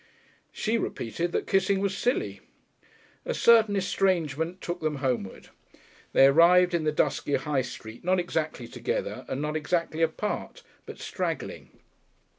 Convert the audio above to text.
She repeated that kissing was silly. A certain estrangement took them homeward. They arrived in the dusky High Street not exactly together, and not exactly apart, but struggling.